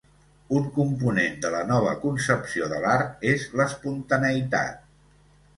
Un component de la nova concepció de l'art és l'espontaneïtat.